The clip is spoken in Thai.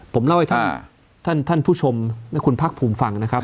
ผมเล่าให้ท่านผู้ชมคุณพรรคภูมิฟังนะครับ